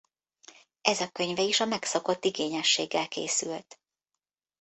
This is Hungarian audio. Ez a könyve is a megszokott igényességgel készült.